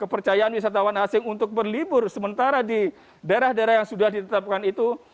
kepercayaan wisatawan asing untuk berlibur sementara di daerah daerah yang sudah ditetapkan itu